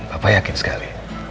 papa yakin sekali